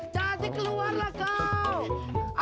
cantik keluarlah kau